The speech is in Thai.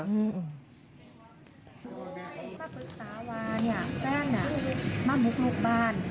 พระคุณสาวาแจ้งมาบุกรุกบ้าน